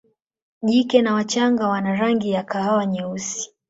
Jike na wachanga wana rangi ya kahawa nyeusi.